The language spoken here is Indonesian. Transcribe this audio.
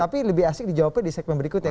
tapi lebih asik dijawabkan di segmen berikut ya